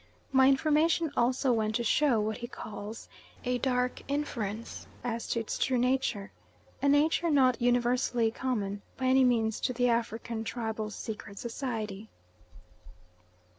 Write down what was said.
My information also went to show what he calls "a dark inference as to its true nature," a nature not universally common by any means to the African tribal secret society.